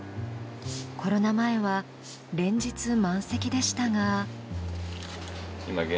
コロナ前は連日満席でしたが。